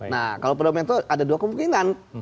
nah kalau poda metro ada dua kemungkinan